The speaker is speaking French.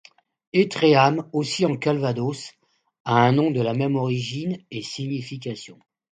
Étréham, aussi en Calvados, a un nom de la même origine et signification.